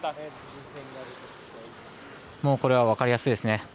これは分かりやすいですね。